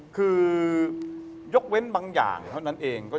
คือยกเว้นบางอย่างเท่านั้นเอง